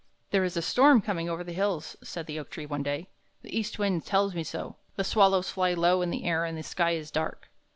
"There is a storm coming over the hills," said the oak tree one day. "The east wind tells me so; the swallows fly low in the air, and the sky is dark.